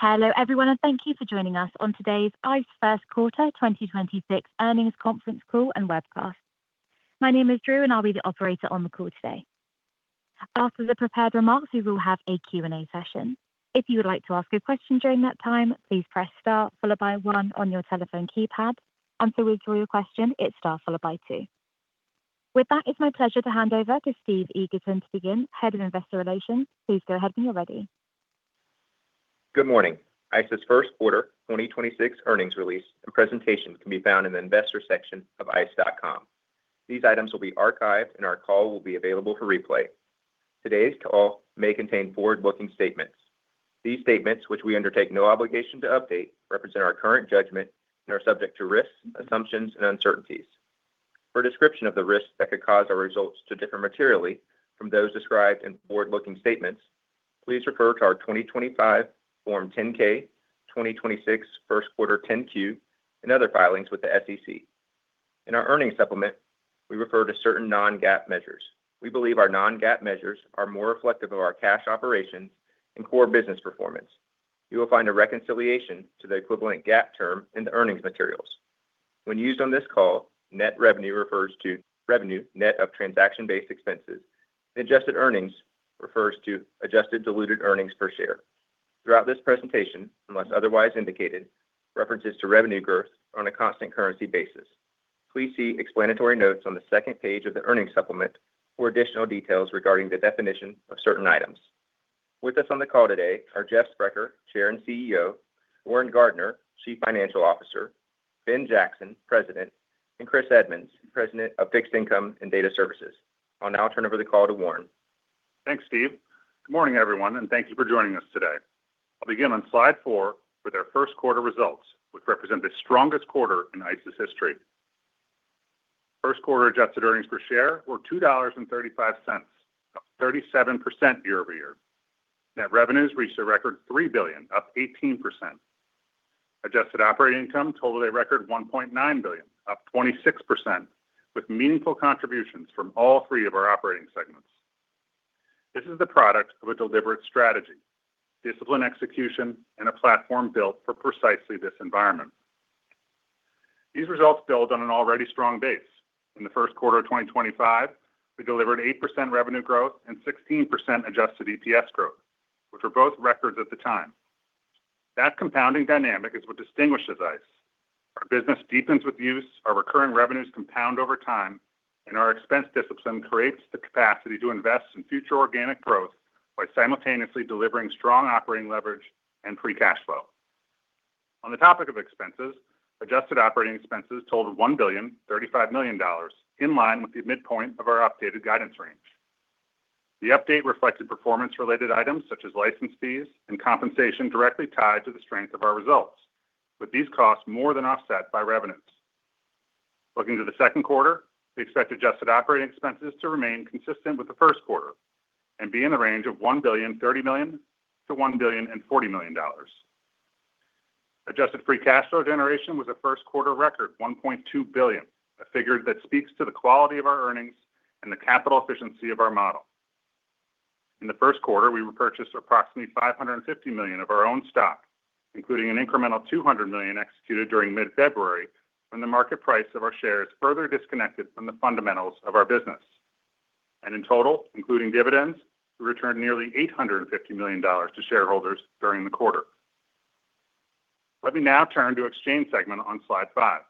Hello everyone, and thank you for joining us on today's ICE first quarter 2026 earnings conference call and webcast. My name is Drew, and I'll be the operator on the call today. After the prepared remarks, we will have a Q&A session. If you would like to ask a question during that time, please press star followed by one on your telephone keypad. To withdraw your question, it's star followed by two. With that, it's my pleasure to hand over to Steve Eggert to begin, Head of Investor Relations. Please go ahead when you're ready. Good morning. ICE's first quarter 2026 earnings release and presentation can be found in the investor section of ice.com. These items will be archived and our call will be available for replay. Today's call may contain forward-looking statements. These statements, which we undertake no obligation to update, represent our current judgment and are subject to risks, assumptions, and uncertainties. For a description of the risks that could cause our results to differ materially from those described in forward-looking statements, please refer to our 2025 Form 10-K, 2026 first quarter 10-Q, and other filings with the SEC. In our earnings supplement, we refer to certain non-GAAP measures. We believe our non-GAAP measures are more reflective of our cash operations and core business performance. You will find a reconciliation to the equivalent GAAP term in the earnings materials. When used on this call, net revenue refers to revenue net of transaction-based expenses. Adjusted earnings refers to adjusted diluted earnings per share. Throughout this presentation, unless otherwise indicated, references to revenue growth are on a constant currency basis. Please see explanatory notes on the second page of the earnings supplement for additional details regarding the definition of certain items. With us on the call today are Jeff Sprecher, Chair and CEO, Warren Gardiner, Chief Financial Officer, Ben Jackson, President, and Chris Edmonds, President of Fixed Income and Data Services. I'll now turn over the call to Warren. Thanks, Steve. Good morning, everyone, and thank you for joining us today. I'll begin on slide four with our first quarter results, which represent the strongest quarter in ICE's history. First quarter adjusted earnings per share were $2.35, up 37% year-over-year. Net revenues reached a record $3 billion, up 18%. Adjusted operating income totaled a record $1.9 billion, up 26%, with meaningful contributions from all three of our operating segments. This is the product of a deliberate strategy, disciplined execution, and a platform built for precisely this environment. These results build on an already strong base. In the first quarter of 2025, we delivered 8% revenue growth and 16% adjusted EPS growth, which were both records at the time. That compounding dynamic is what distinguishes ICE. Our business deepens with use, our recurring revenues compound over time, and our expense discipline creates the capacity to invest in future organic growth by simultaneously delivering strong operating leverage and free cash flow. On the topic of expenses, adjusted operating expenses totaled $1.035 billion, in line with the midpoint of our updated guidance range. The update reflected performance-related items such as license fees and compensation directly tied to the strength of our results. With these costs more than offset by revenues. Looking to the second quarter, we expect adjusted operating expenses to remain consistent with the first quarter and be in the range of $1.030 billion-$1.040 billion. Adjusted free cash flow generation was a first quarter record, $1.2 billion, a figure that speaks to the quality of our earnings and the capital efficiency of our model. In the first quarter, we repurchased approximately $550 million of our own stock, including an incremental $200 million executed during mid-February when the market price of our shares further disconnected from the fundamentals of our business. In total, including dividends, we returned nearly $850 million to shareholders during the quarter. Let me now turn to Exchange segment on slide five.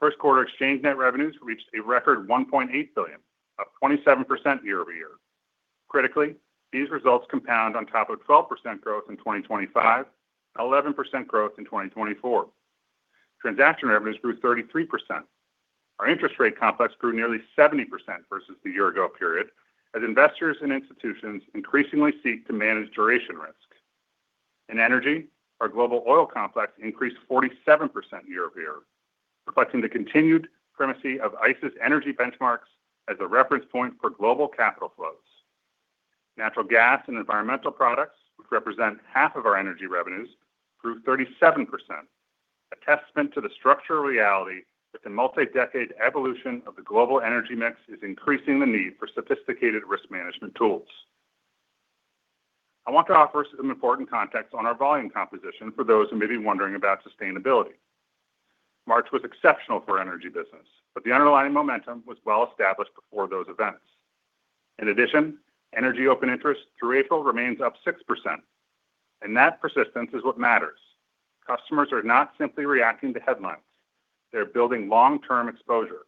First quarter Exchange net revenues reached a record $1.8 billion, up 27% year-over-year. Critically, these results compound on top of 12% growth in 2025, 11% growth in 2024. Transaction revenues grew 33%. Our interest rate complex grew nearly 70% versus the year-ago period, as investors and institutions increasingly seek to manage duration risk. In energy, our global oil complex increased 47% year-over-year, reflecting the continued primacy of ICE's energy benchmarks as a reference point for global capital flows. Natural gas and environmental products, which represent half of our energy revenues, grew 37%, a testament to the structural reality that the multi-decade evolution of the global energy mix is increasing the need for sophisticated risk management tools. I want to offer some important context on our volume composition for those who may be wondering about sustainability. March was exceptional for our energy business, the underlying momentum was well established before those events. In addition, energy open interest through April remains up 6%, that persistence is what matters. Customers are not simply reacting to headlines. They're building long-term exposure.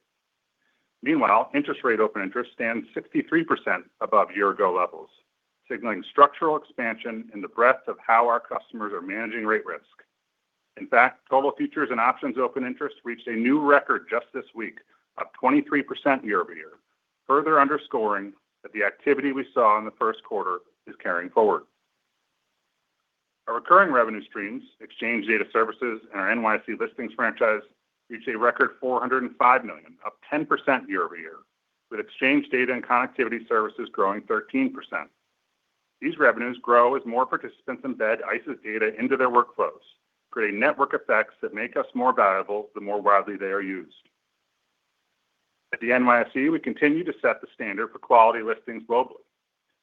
Meanwhile, interest rate open interest stands 63% above year-ago levels, signaling structural expansion in the breadth of how our customers are managing rate risk. In fact, global futures and options open interest reached a new record just this week, up 23% year-over-year, further underscoring that the activity we saw in the first quarter is carrying forward. Our recurring revenue streams, exchange data services, and our NYSE listings franchise reached a record $405 million, up 10% year-over-year, with exchange data and connectivity services growing 13%. These revenues grow as more participants embed ICE's data into their workflows, creating network effects that make us more valuable the more widely they are used. At the NYSE, we continue to set the standard for quality listings globally.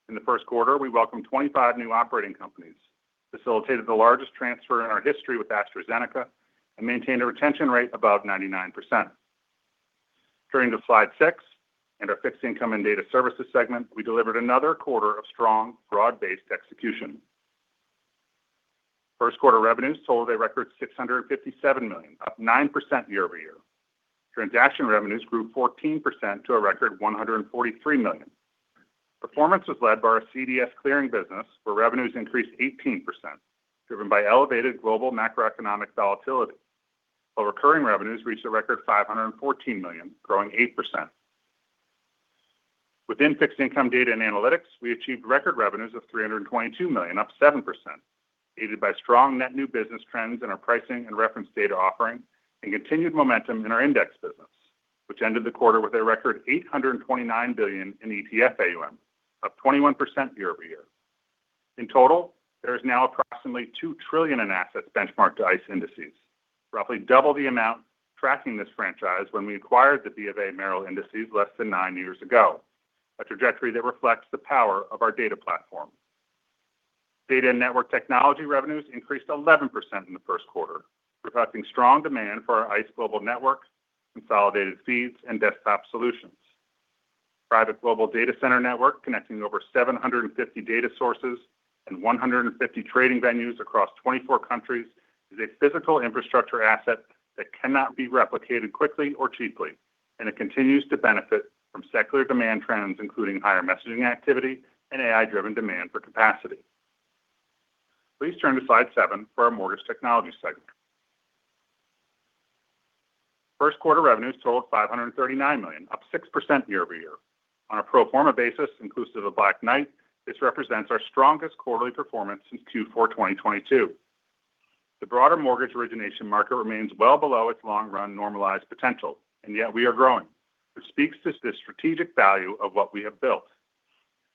In the first quarter, we welcomed 25 new operating companies, facilitated the largest transfer in our history with AstraZeneca, and maintained a retention rate above 99%. Turning to slide six, in our Fixed Income and Data Services segment, we delivered another quarter of strong, broad-based execution. First quarter revenues totaled a record $657 million, up 9% year-over-year. Transaction revenues grew 14% to a record $143 million. Performance was led by our CDS clearing business, where revenues increased 18%, driven by elevated global macroeconomic volatility, while recurring revenues reached a record $514 million, growing 8%. Within Fixed Income Data and Analytics, we achieved record revenues of $322 million, up 7%, aided by strong net new business trends in our pricing and reference data offering and continued momentum in our index business, which ended the quarter with a record $829 billion in ETF AUM, up 21% year-over-year. In total, there is now approximately $2 trillion in assets benchmarked to ICE indices, roughly double the amount tracking this franchise when we acquired the BofA Merrill Lynch indices less than nine years ago, a trajectory that reflects the power of our data platform. Data and network technology revenues increased 11% in the first quarter, reflecting strong demand for our ICE Global Network, Consolidated Feeds, and desktop solutions. Private global data center network connecting over 750 data sources and 150 trading venues across 24 countries is a physical infrastructure asset that cannot be replicated quickly or cheaply. It continues to benefit from secular demand trends, including higher messaging activity and AI-driven demand for capacity. Please turn to slide seven for our Mortgage Technology segment. First quarter revenues totaled $539 million, up 6% year-over-year. On a pro forma basis inclusive of Black Knight, this represents our strongest quarterly performance since Q4 2022. The broader mortgage origination market remains well below its long-run normalized potential, yet we are growing, which speaks to the strategic value of what we have built.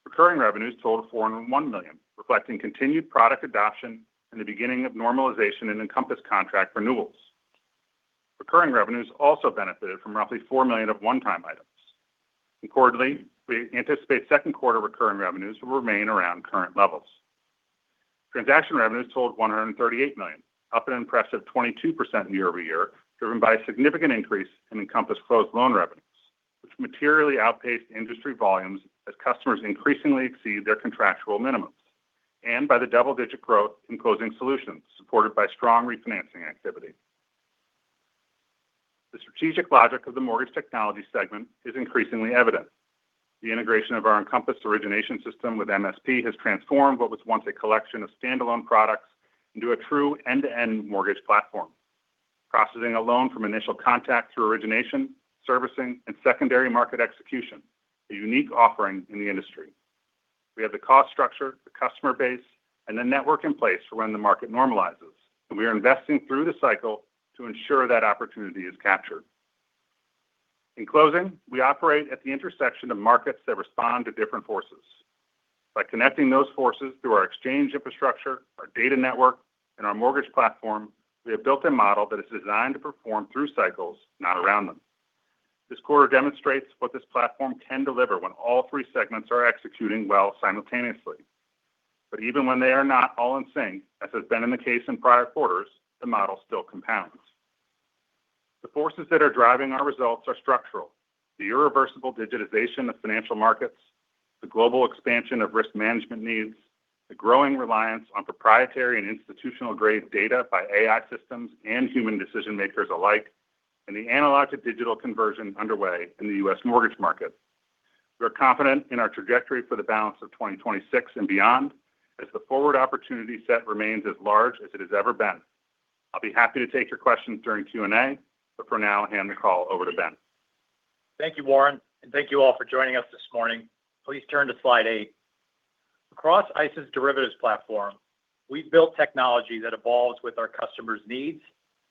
Recurring revenues totaled $401 million, reflecting continued product adoption and the beginning of normalization in Encompass contract renewals. Recurring revenues also benefited from roughly $4 million of one-time items. Accordingly, we anticipate second quarter recurring revenues will remain around current levels. Transaction revenues totaled $138 million, up an impressive 22% year-over-year, driven by a significant increase in Encompass closed loan revenues, which materially outpaced industry volumes as customers increasingly exceed their contractual minimums, and by the double-digit growth in closing solutions supported by strong refinancing activity. The strategic logic of the Mortgage Technology segment is increasingly evident. The integration of our Encompass origination system with MSP has transformed what was once a collection of standalone products into a true end-to-end mortgage platform, processing a loan from initial contact through origination, servicing, and secondary market execution, a unique offering in the industry. We have the cost structure, the customer base, and the network in place for when the market normalizes. We are investing through the cycle to ensure that opportunity is captured. In closing, we operate at the intersection of markets that respond to different forces. By connecting those forces through our exchange infrastructure, our data network, and our mortgage platform, we have built a model that is designed to perform through cycles, not around them. This quarter demonstrates what this platform can deliver when all three segments are executing well simultaneously. Even when they are not all in sync, as has been the case in prior quarters, the model still compounds. The forces that are driving our results are structural: the irreversible digitization of financial markets, the global expansion of risk management needs, the growing reliance on proprietary and institutional-grade data by AI systems and human decision makers alike, and the analog-to-digital conversion underway in the U.S. mortgage market. We are confident in our trajectory for the balance of 2026 and beyond, as the forward opportunity set remains as large as it has ever been. I'll be happy to take your questions during Q&A. For now, hand the call over to Ben. Thank you, Warren, and thank you all for joining us this morning. Please turn to slide eight. Across ICE's derivatives platform, we've built technology that evolves with our customers' needs,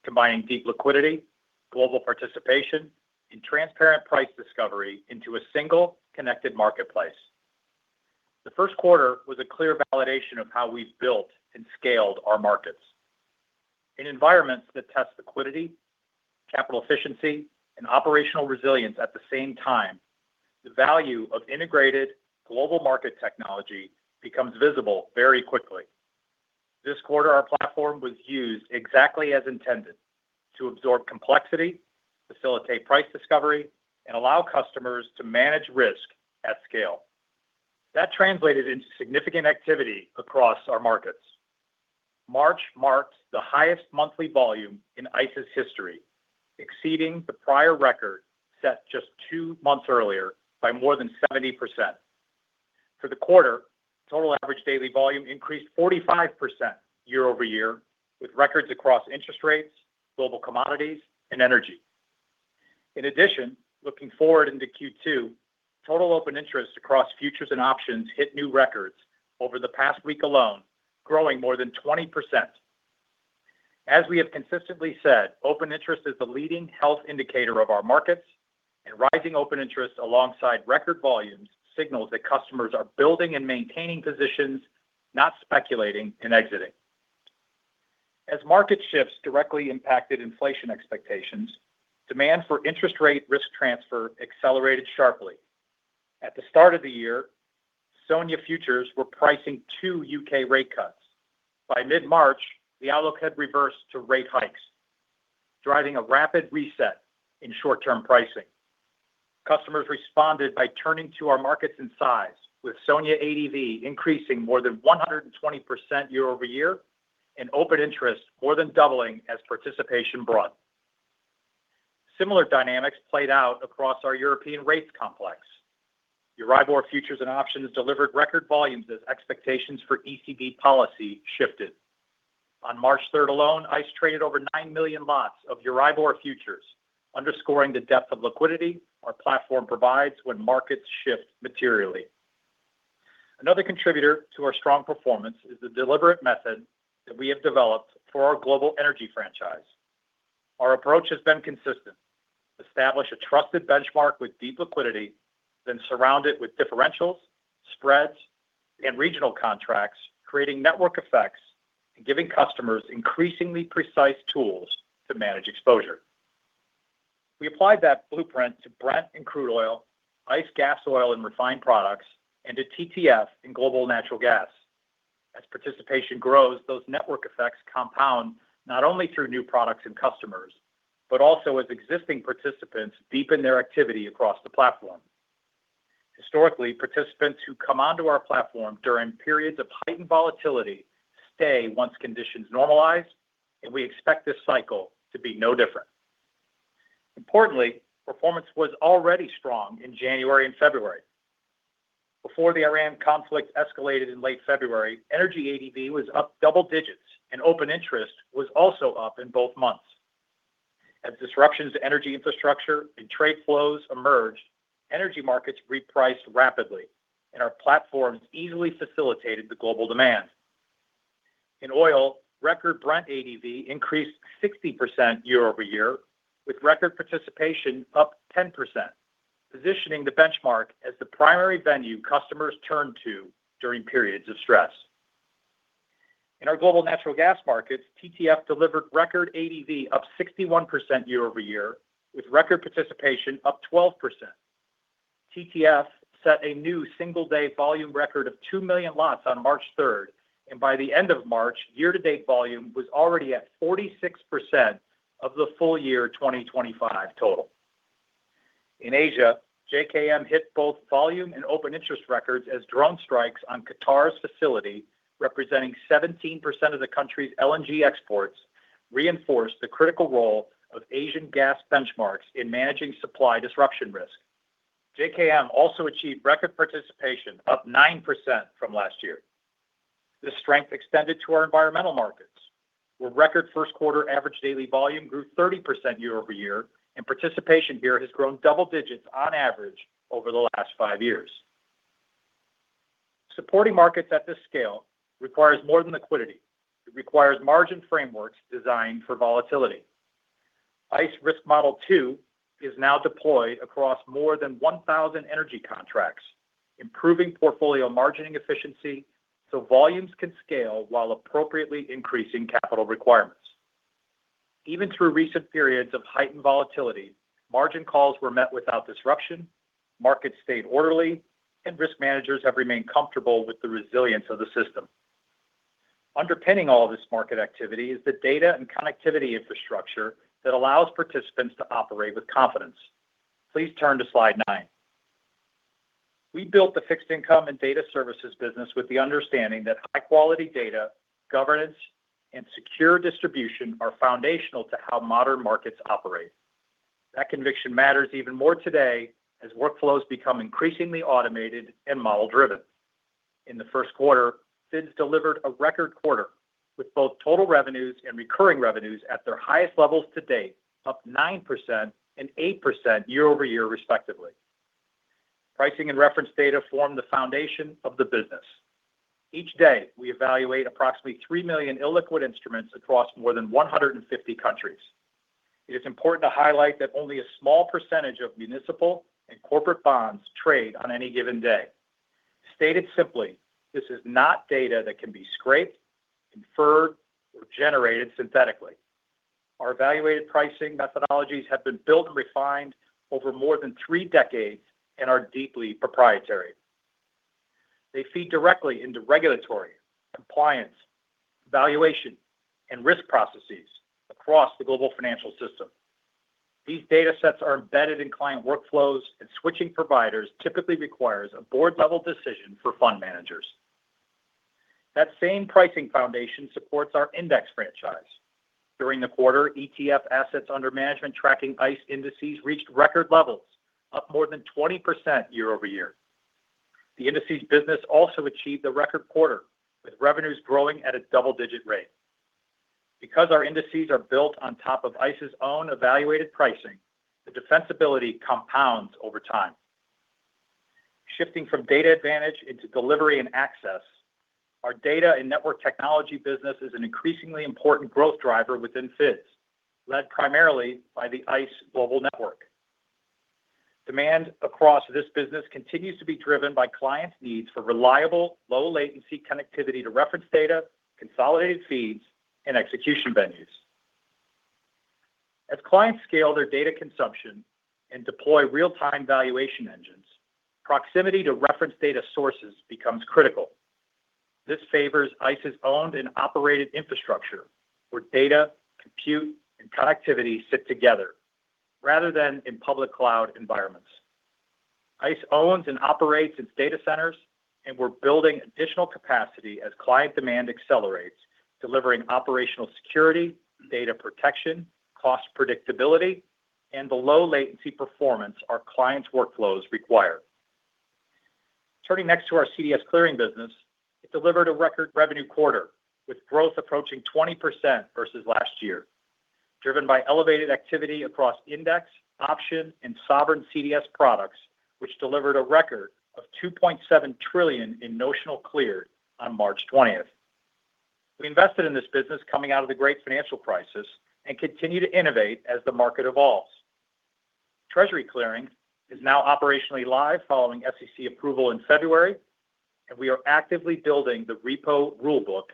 combining deep liquidity, global participation, and transparent price discovery into a single connected marketplace. The first quarter was a clear validation of how we've built and scaled our markets. In environments that test liquidity, capital efficiency, and operational resilience at the same time, the value of integrated global market technology becomes visible very quickly. This quarter, our platform was used exactly as intended: to absorb complexity, facilitate price discovery, and allow customers to manage risk at scale. That translated into significant activity across our markets. March marked the highest monthly volume in ICE's history, exceeding the prior record set just two months earlier by more than 70%. For the quarter, total average daily volume increased 45% year-over-year, with records across interest rates, global commodities, and energy. Looking forward into Q2, total open interest across futures and options hit new records over the past week alone, growing more than 20%. As we have consistently said, open interest is the leading health indicator of our markets, and rising open interest alongside record volumes signals that customers are building and maintaining positions, not speculating and exiting. As market shifts directly impacted inflation expectations, demand for interest rate risk transfer accelerated sharply. At the start of the year, SONIA futures were pricing two U.K. rate cuts. By mid-March, the outlook had reversed to rate hikes, driving a rapid reset in short-term pricing. Customers responded by turning to our markets in size, with SONIA ADV increasing more than 120% year-over-year and open interest more than doubling as participation broadened. Similar dynamics played out across our European rates complex. Euribor futures and options delivered record volumes as expectations for ECB policy shifted. On March 3rd alone, ICE traded over 9 million lots of Euribor futures, underscoring the depth of liquidity our platform provides when markets shift materially. Another contributor to our strong performance is the deliberate method that we have developed for our global energy franchise. Our approach has been consistent. Establish a trusted benchmark with deep liquidity, then surround it with differentials, spreads, and regional contracts, creating network effects and giving customers increasingly precise tools to manage exposure. We applied that blueprint to Brent and crude oil, ICE Gasoil and refined products, and to TTF in global natural gas. As participation grows, those network effects compound not only through new products and customers, but also as existing participants deepen their activity across the platform. Historically, participants who come onto our platform during periods of heightened volatility stay once conditions normalize, and we expect this cycle to be no different. Importantly, performance was already strong in January and February. Before the Iran conflict escalated in late February, energy ADV was up double digits, and open interest was also up in both months. As disruptions to energy infrastructure and trade flows emerged, energy markets repriced rapidly, and our platforms easily facilitated the global demand. In oil, record Brent ADV increased 60% year-over-year, with record participation up 10%, positioning the benchmark as the primary venue customers turn to during periods of stress. In our global natural gas markets, TTF delivered record ADV up 61% year-over-year, with record participation up 12%. TTF set a new single-day volume record of 2 million lots on March 3rd, and by the end of March, year-to-date volume was already at 46% of the full year 2025 total. In Asia, JKM hit both volume and open interest records as drone strikes on Qatar's facility, representing 17% of the country's LNG exports, reinforced the critical role of Asian gas benchmarks in managing supply disruption risk. JKM also achieved record participation up 9% from last year. This strength extended to our environmental markets, where record first quarter average daily volume grew 30% year-over-year, and participation here has grown double digits on average over the last five years. Supporting markets at this scale requires more than liquidity. It requires margin frameworks designed for volatility. ICE Risk Model 2 is now deployed across more than 1,000 energy contracts, improving portfolio margining efficiency so volumes can scale while appropriately increasing capital requirements. Even through recent periods of heightened volatility, margin calls were met without disruption, markets stayed orderly, and risk managers have remained comfortable with the resilience of the system. Underpinning all this market activity is the data and connectivity infrastructure that allows participants to operate with confidence. Please turn to slide nine. We built the Fixed Income and Data Services business with the understanding that high-quality data, governance, and secure distribution are foundational to how modern markets operate. That conviction matters even more today as workflows become increasingly automated and model-driven. In the first quarter, FIDS delivered a record quarter, with both total revenues and recurring revenues at their highest levels to date, up 9% and 8% year-over-year respectively. Pricing and reference data form the foundation of the business. Each day, we evaluate approximately 3 million illiquid instruments across more than 150 countries. It is important to highlight that only a small percentage of municipal and corporate bonds trade on any given day. Stated simply, this is not data that can be scraped, inferred, or generated synthetically. Our evaluated pricing methodologies have been built and refined over more than three decades and are deeply proprietary. They feed directly into regulatory, compliance, valuation, and risk processes across the global financial system. These data sets are embedded in client workflows, and switching providers typically requires a board-level decision for fund managers. That same pricing foundation supports our index franchise. During the quarter, ETF AUM tracking ICE indices reached record levels, up more than 20% year-over-year. The indices business also achieved a record quarter, with revenues growing at a double-digit rate. Because our indices are built on top of ICE's own evaluated pricing, the defensibility compounds over time. Shifting from data advantage into delivery and access, our data and network technology business is an increasingly important growth driver within FIDS, led primarily by the ICE Global Network. Demand across this business continues to be driven by clients' needs for reliable, low-latency connectivity to reference data, Consolidated Feeds, and execution venues. As clients scale their data consumption and deploy real-time valuation engines, proximity to reference data sources becomes critical. This favors ICE's owned and operated infrastructure, where data, compute, and connectivity sit together rather than in public cloud environments. ICE owns and operates its data centers, and we're building additional capacity as client demand accelerates, delivering operational security, data protection, cost predictability, and the low-latency performance our clients' workflows require. Turning next to our CDS clearing business, it delivered a record revenue quarter, with growth approaching 20% versus last year, driven by elevated activity across index, option, and sovereign CDS products, which delivered a record of $2.7 trillion in notional clear on March 20th. We invested in this business coming out of the great financial crisis and continue to innovate as the market evolves. Treasury clearing is now operationally live following SEC approval in February, and we are actively building the repo rulebook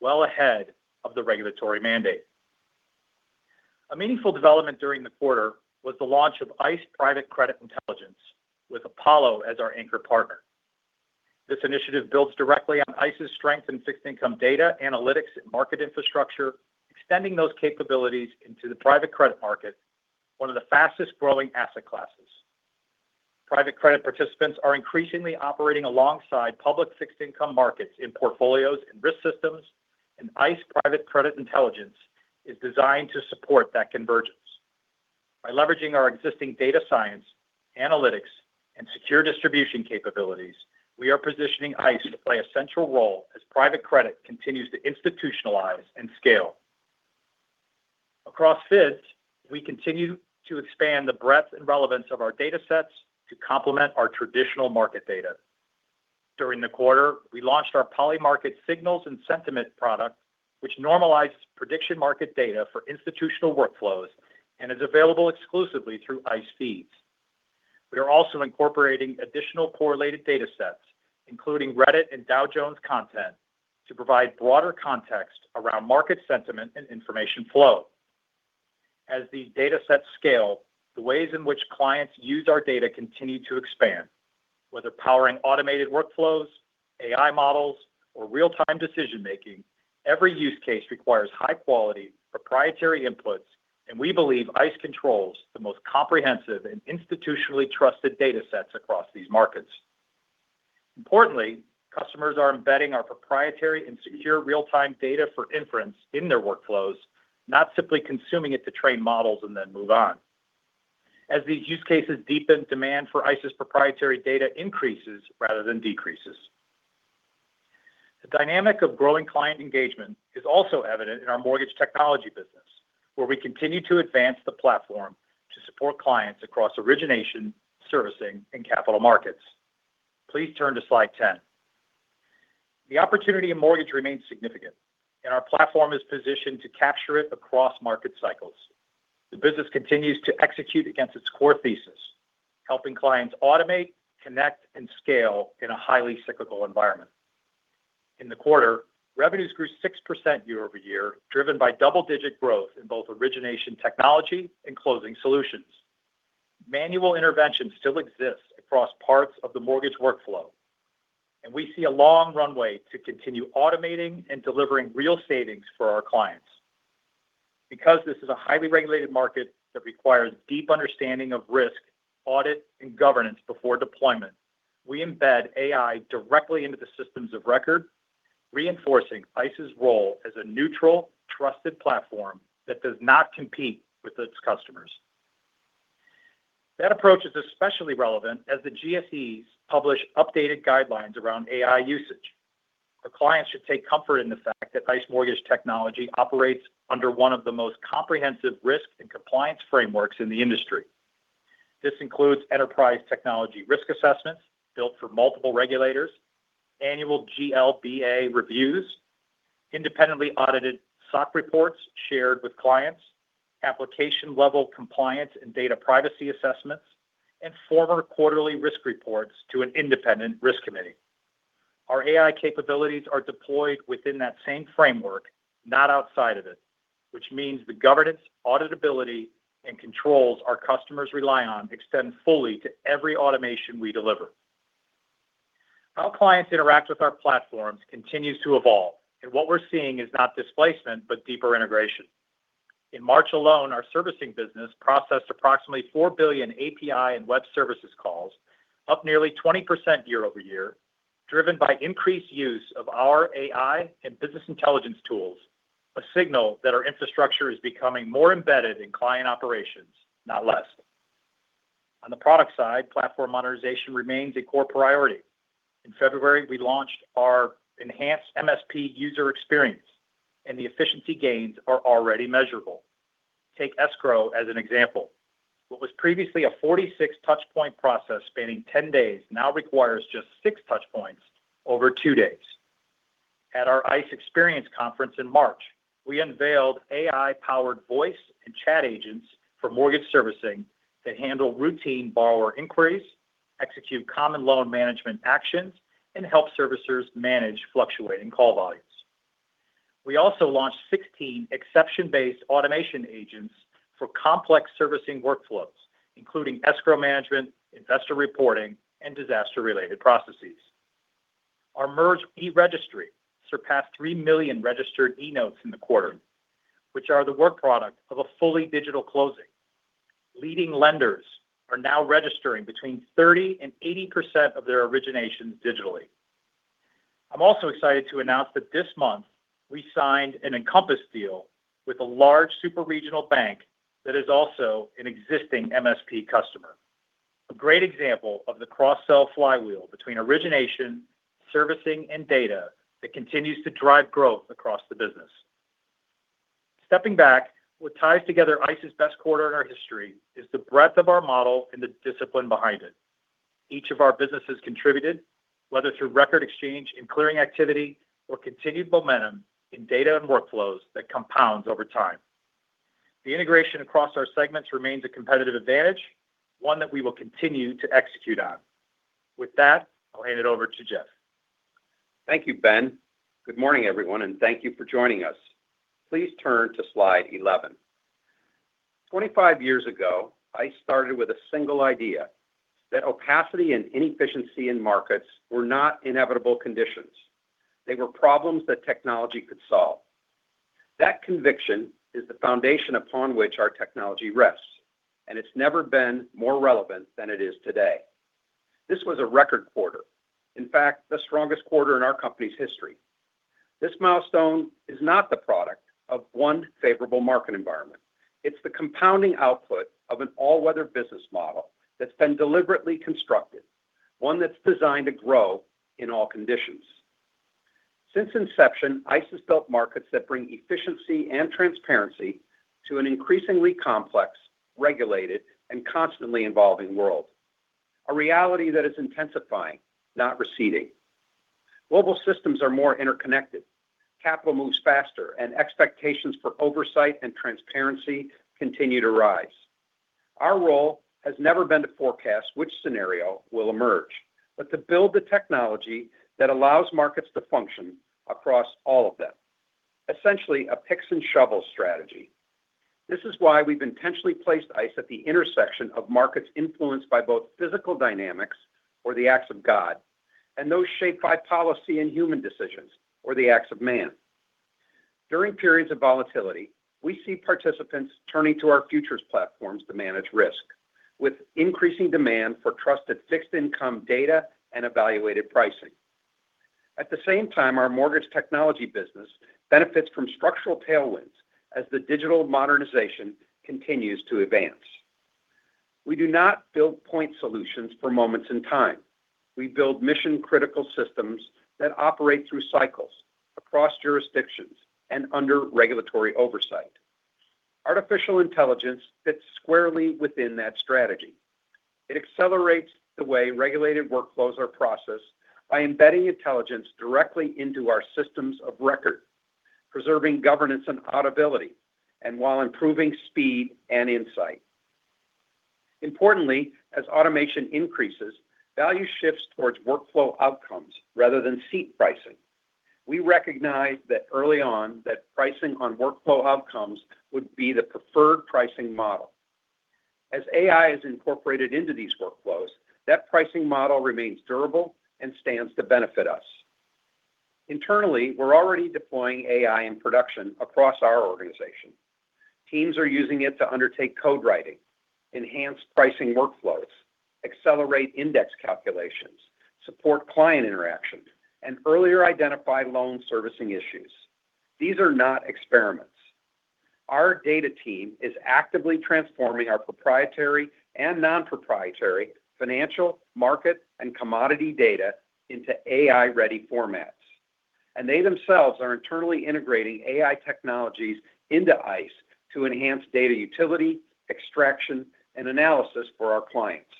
well ahead of the regulatory mandate. A meaningful development during the quarter was the launch of ICE Private Credit Intelligence with Apollo as our anchor partner. This initiative builds directly on ICE's strength in fixed-income data, analytics, and market infrastructure, extending those capabilities into the private credit market, one of the fastest-growing asset classes. Private credit participants are increasingly operating alongside public fixed-income markets in portfolios and risk systems. ICE Private Credit Intelligence is designed to support that convergence. By leveraging our existing data science, analytics, and secure distribution capabilities, we are positioning ICE to play a central role as private credit continues to institutionalize and scale. Across FIDS, we continue to expand the breadth and relevance of our data sets to complement our traditional market data. During the quarter, we launched our Polymarket Signals and Sentiment product, which normalizes prediction market data for institutional workflows and is available exclusively through ICE feeds. We are also incorporating additional correlated data sets, including Reddit and Dow Jones content, to provide broader context around market sentiment and information flow. As these data sets scale, the ways in which clients use our data continue to expand. Whether powering automated workflows, AI models, or real-time decision-making, every use case requires high-quality proprietary inputs, and we believe ICE controls the most comprehensive and institutionally trusted data sets across these markets. Importantly, customers are embedding our proprietary and secure real-time data for inference in their workflows, not simply consuming it to train models and then move on. As these use cases deepen, demand for ICE's proprietary data increases rather than decreases. The dynamic of growing client engagement is also evident in our Mortgage Technology business, where we continue to advance the platform to support clients across origination, servicing, and capital markets. Please turn to slide 10. The opportunity in mortgage remains significant, our platform is positioned to capture it across market cycles. The business continues to execute against its core thesis, helping clients automate, connect, and scale in a highly cyclical environment. In the quarter, revenues grew 6% year-over-year, driven by double-digit growth in both origination technology and closing solutions. Manual intervention still exists across parts of the mortgage workflow, we see a long runway to continue automating and delivering real savings for our clients. Because this is a highly regulated market that requires deep understanding of risk, audit, and governance before deployment, we embed AI directly into the systems of record, reinforcing ICE's role as a neutral, trusted platform that does not compete with its customers. That approach is especially relevant as the GSEs publish updated guidelines around AI usage. Our clients should take comfort in the fact that ICE Mortgage Technology operates under one of the most comprehensive risk and compliance frameworks in the industry. This includes enterprise technology risk assessments built for multiple regulators, annual GLBA reviews, independently audited SOC reports shared with clients, application-level compliance and data privacy assessments, and former quarterly risk reports to an independent risk committee. Our AI capabilities are deployed within that same framework, not outside of it, which means the governance, auditability, and controls our customers rely on extend fully to every automation we deliver. How clients interact with our platforms continues to evolve, and what we're seeing is not displacement, but deeper integration. In March alone, our servicing business processed approximately $4 billion API and web services calls, up nearly 20% year-over-year, driven by increased use of our AI and business intelligence tools, a signal that our infrastructure is becoming more embedded in client operations, not less. On the product side, platform modernization remains a core priority. In February, we launched our enhanced MSP user experience, and the efficiency gains are already measurable. Take escrow as an example. What was previously a 46 touch point process spanning 10 days now requires just six touch points over two days. At our ICE Experience Conference in March, we unveiled AI-powered voice and chat agents for mortgage servicing that handle routine borrower inquiries, execute common loan management actions, and help servicers manage fluctuating call volumes. We also launched 16 exception-based automation agents for complex servicing workflows, including escrow management, investor reporting, and disaster-related processes. Our MERS eRegistry surpassed 3 million registered eNotes in the quarter, which are the work product of a fully digital closing. Leading lenders are now registering between 30% and 80% of their originations digitally. I'm also excited to announce that this month we signed an Encompass deal with a large super-regional bank that is also an existing MSP customer. A great example of the cross-sell flywheel between origination, servicing, and data that continues to drive growth across the business. Stepping back, what ties together ICE's best quarter in our history is the breadth of our model and the discipline behind it. Each of our businesses contributed, whether through record exchange in clearing activity or continued momentum in data and workflows that compounds over time. The integration across our segments remains a competitive advantage, one that we will continue to execute on. With that, I'll hand it over to Jeff. Thank you, Ben. Good morning, everyone, and thank you for joining us. Please turn to slide 11. 25 years ago, ICE started with a single idea, that opacity and inefficiency in markets were not inevitable conditions. They were problems that technology could solve. That conviction is the foundation upon which our technology rests, and it's never been more relevant than it is today. This was a record quarter. In fact, the strongest quarter in our company's history. This milestone is not the product of one favorable market environment. It's the compounding output of an all-weather business model that's been deliberately constructed, one that's designed to grow in all conditions. Since inception, ICE has built markets that bring efficiency and transparency to an increasingly complex, regulated, and constantly evolving world. A reality that is intensifying, not receding. Global systems are more interconnected. Capital moves faster, and expectations for oversight and transparency continue to rise. Our role has never been to forecast which scenario will emerge, but to build the technology that allows markets to function across all of them. Essentially, a picks and shovel strategy. This is why we've intentionally placed ICE at the intersection of markets influenced by both physical dynamics or the acts of God, and those shaped by policy and human decisions or the acts of man. During periods of volatility, we see participants turning to our futures platforms to manage risk with increasing demand for trusted fixed income data and evaluated pricing. At the same time, our Mortgage Technology business benefits from structural tailwinds as the digital modernization continues to advance. We do not build point solutions for moments in time. We build mission-critical systems that operate through cycles across jurisdictions and under regulatory oversight. Artificial intelligence fits squarely within that strategy. It accelerates the way regulated workflows are processed by embedding intelligence directly into our systems of record, preserving governance and auditability, and while improving speed and insight. Importantly, as automation increases, value shifts towards workflow outcomes rather than seat pricing. We recognized that early on, that pricing on workflow outcomes would be the preferred pricing model. As AI is incorporated into these workflows, that pricing model remains durable and stands to benefit us. Internally, we're already deploying AI in production across our organization. Teams are using it to undertake code writing, enhance pricing workflows, accelerate index calculations, support client interactions, and earlier identify loan servicing issues. These are not experiments. Our data team is actively transforming our proprietary and non-proprietary financial, market, and commodity data into AI-ready formats, and they themselves are internally integrating AI technologies into ICE to enhance data utility, extraction, and analysis for our clients.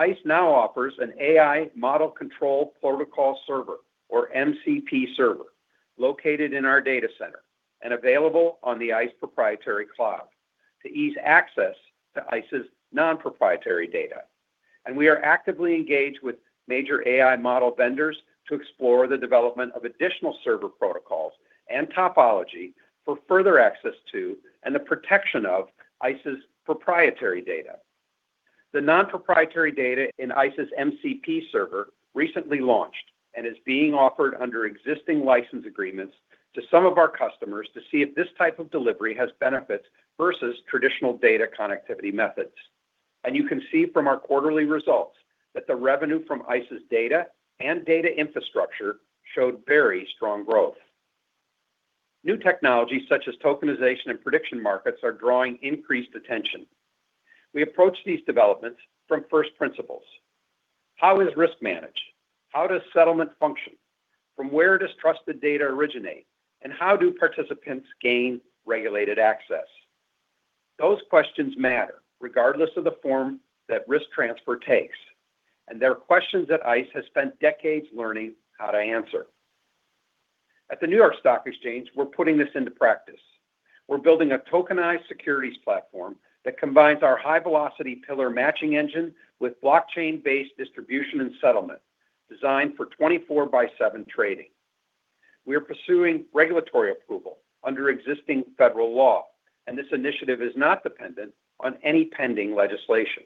ICE now offers an AI model-controlled protocol server, or MCP server, located in our data center and available on the ICE Global Network to ease access to ICE's non-proprietary data. We are actively engaged with major AI model vendors to explore the development of additional server protocols and topology for further access to, and the protection of ICE's proprietary data. The non-proprietary data in ICE's MCP server recently launched and is being offered under existing license agreements to some of our customers to see if this type of delivery has benefits versus traditional data connectivity methods. You can see from our quarterly results that the revenue from ICE's data and data infrastructure showed very strong growth. New technologies such as tokenization and prediction markets are drawing increased attention. We approach these developments from first principles. How is risk managed? How does settlement function? From where does trusted data originate, and how do participants gain regulated access. Those questions matter regardless of the form that risk transfer takes, and they're questions that ICE has spent decades learning how to answer. At the New York Stock Exchange, we're putting this into practice. We're building a tokenized securities platform that combines our high-velocity Pillar matching engine with blockchain-based distribution and settlement designed for 24 by 7 trading. We are pursuing regulatory approval under existing federal law, and this initiative is not dependent on any pending legislation.